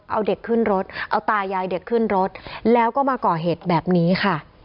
เอาเด็กขึ้นรถเอาตายายเด็กขึ้นรถแล้วก็มาก่อเหตุแบบนี้ค่ะ